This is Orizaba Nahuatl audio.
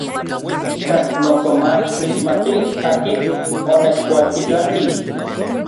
Ikan noso mach kixmatij akin onechualtitlanki.